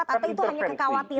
atau itu hanya kekhawatiran